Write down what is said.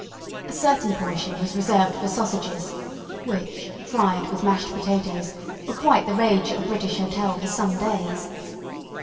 A certain portion was reserved for sausages, which, fried with mashed potatoes, were quite the rage at the British Hotel for some days.